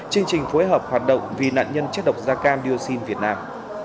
chương trình phối hợp hoạt động vì nạn nhân chất độc da cam dioxin việt nam